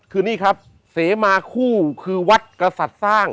คือนี่ครับเสมาคู่คือวัดกษัตริย์สร้าง